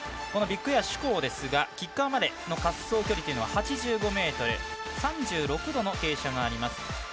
このビッグエア首鋼ですがキッカーまでの滑走距離は８５ｍ３６度の傾斜があります。